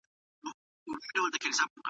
لوستل د فکر کولو وړتیا زیاتوي.